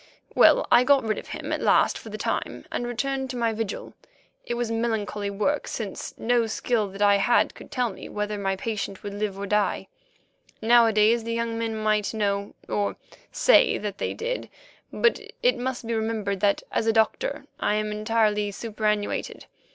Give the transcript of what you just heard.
Well, I got rid of him at last for the time, and returned to my vigil. It was melancholy work, since no skill that I had could tell me whether my patient would live or die. Nowadays the young men might know, or say that they did, but it must be remembered that, as a doctor, I am entirely superannuated.